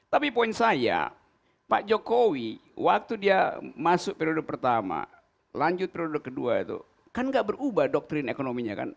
tapi poin saya pak jokowi waktu dia masuk periode pertama lanjut periode kedua itu kan gak berubah doktrin ekonominya kan